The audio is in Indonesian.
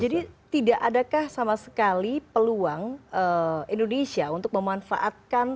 jadi tidak adakah sama sekali peluang indonesia untuk memanfaatkan